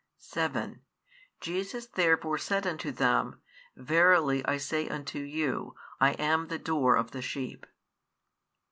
7 Jesus therefore said unto them, Verily, I say unto you, I am the Door of the sheep.